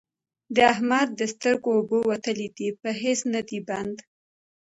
د احمد د سترګو اوبه وتلې دي؛ په هيڅ نه دی بند،